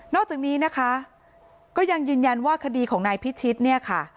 อกจากนี้นะคะก็ยังยืนยันว่าคดีของนายพิชิตเนี่ยค่ะ